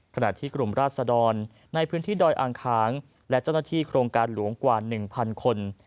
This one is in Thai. ขณะที่กลุ่มราศดรในพื้นที่ดอยอ่างคางและเจ้าหน้าที่โครงการหลวงกว่า๑๐๐คน